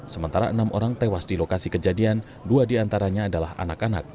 sementara enam orang tewas di lokasi kejadian dua diantaranya adalah anak anak